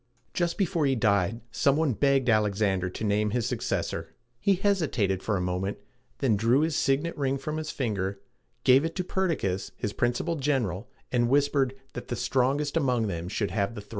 Just before he died, some one begged Alexander to name his successor. He hesitated for a moment, then drew his signet ring from his finger, gave it to Per dic´cas, his principal general, and whispered that the strongest among them should have the throne.